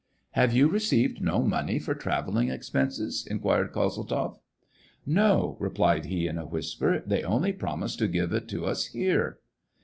" Have you received no money for travelling expenses t " inquired Kozeltzoff. *' No," replied he, in a whisper; "they only promised to give it to us here."